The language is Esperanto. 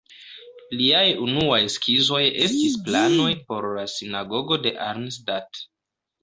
Liaj unuaj skizoj estis planoj por la Sinagogo de Arnstadt.